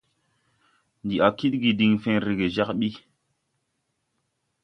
Ndi a kidgi diŋ fen rege jag ɓi.